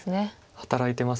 働いてます。